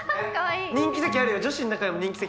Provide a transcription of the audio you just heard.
人気席あるよ女子の中でも人気席。